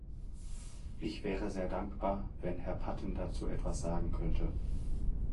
Ich wäre sehr dankbar, wenn Herr Patten dazu etwas sagen könnte.